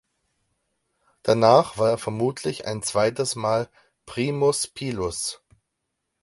Danach war er vermutlich ein zweites Mal Primus Pilus.